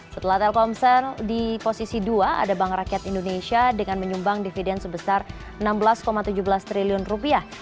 setelah telkomsel di posisi dua ada bank rakyat indonesia dengan menyumbang dividen sebesar enam belas tujuh belas triliun rupiah